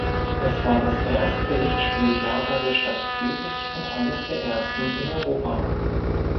Es war das erste Lichtspieltheater der Stadt Zürich und eines der ersten in Europa.